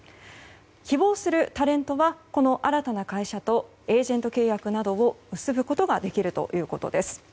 希望するタレントはこの新たな会社とエージェント契約などを結ぶことができるということです。